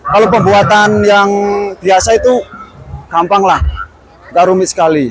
kalau pembuatan yang biasa itu gampang lah nggak rumit sekali